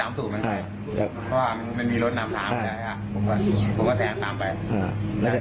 แล้วก็เหลียวขวาไปด้วยกันนะครับ